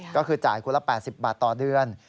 ก็คือจ่ายคนละ๘๐บาทต่อเดือน